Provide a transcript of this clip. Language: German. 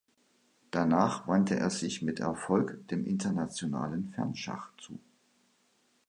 Danach wandte er sich mit Erfolg dem internationalen Fernschach zu.